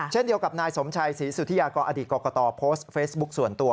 เช่นเดียวกับนายสมชัยศรีสุธิยากรอดีตกรกตโพสต์เฟซบุ๊คส่วนตัว